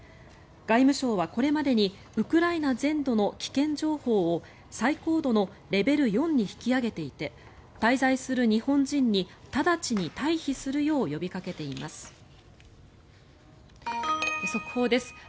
外務省はこれまでにウクライナ全土の危険情報を最高度のレベル４に引き上げていて滞在する日本人に直ちに退避するよう呼びかけています。